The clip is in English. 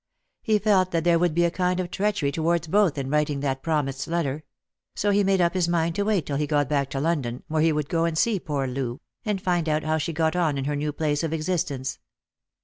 He felt that there would be a kind of treachery towards both in writing that promised letter — so he made up his mind to wait till he got back to London, when he would go and see poor Loo, and find out how she got on in her new place of existence.